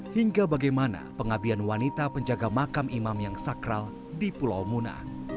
hingga bagaimana pengabdian wanita penjaga makam imam yang sakral di pulau muna